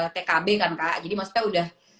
tkb kan kak jadi maksudnya udah